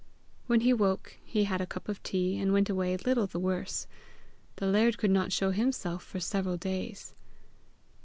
When he woke, he had a cup of tea, and went away little the worse. The laird could not show himself for several days.